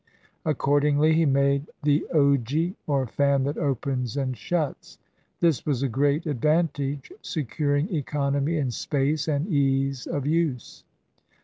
Accordingly he made the ogi, or fan that opens and shuts. This was a great advantage, securing economy in space and ease of use.